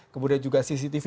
kemudian juga cctv